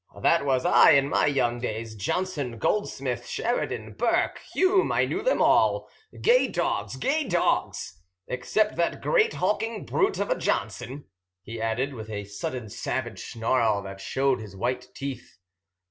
"That was I in my young days. Johnson, Goldsmith, Sheridan, Burke, Hume, I knew them all gay dogs, gay dogs! Except that great hulking brute of a Johnson," he added, with a sudden savage snarl that showed his white teeth.